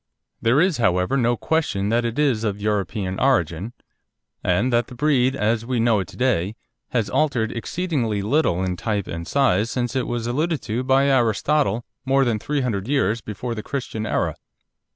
There is, however, no question that it is of European origin, and that the breed, as we know it to day, has altered exceedingly little in type and size since it was alluded to by Aristotle more than three hundred years before the Christian era.